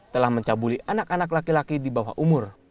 telah mencabuli anak anak laki laki di bawah umur